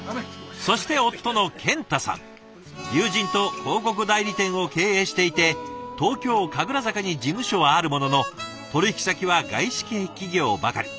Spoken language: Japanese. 友人と広告代理店を経営していて東京・神楽坂に事務所はあるものの取引先は外資系企業ばかり。